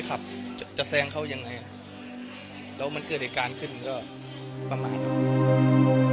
ขับจะแทรงเขายังไงแล้วมันเกิดไอ้การขึ้นก็ประมาณนี้